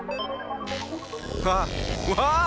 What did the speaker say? あっわあ！